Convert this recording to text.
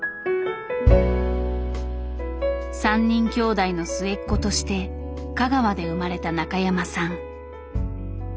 ３人きょうだいの末っ子として香川で生まれた中山さん。